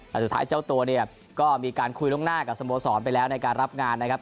แต่สุดท้ายเจ้าตัวเนี่ยก็มีการคุยล่วงหน้ากับสโมสรไปแล้วในการรับงานนะครับ